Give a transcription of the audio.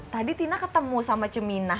tadi tina ketemu sama cemina